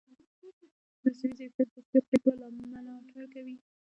مصنوعي ځیرکتیا د روغتیايي پریکړو ملاتړ کوي.